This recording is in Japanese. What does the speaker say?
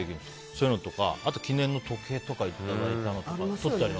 そういうのとかあと、記念の時計とかいただいたの。